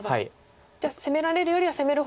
じゃあ攻められるよりは攻める方が多いかなという。